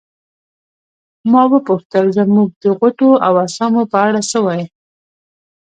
ما وپوښتل زموږ د غوټو او اسامو په اړه څه وایې.